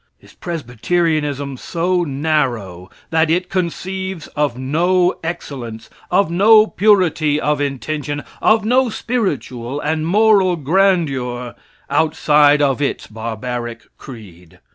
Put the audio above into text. Is Presbyterianism so narrow that it conceives of no excellence, of no purity of intention, of no spiritual and moral grandeur outside of its barbaric creed?